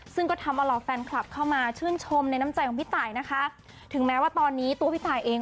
ซึ่งก็ทำเอาเหล่าแฟนคลับเข้ามาชื่นชมในน้ำใจของพี่ตายนะคะถึงแม้ว่าตอนนี้ตัวพี่ตายเอง